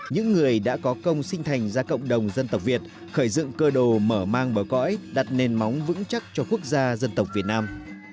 những người đã có công sinh thành ra cộng đồng dân tộc việt khởi dựng cơ đồ mở mang bờ cõi đặt nền móng vững chắc cho quốc gia dân tộc việt nam